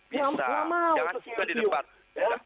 bisa jangan juga di depan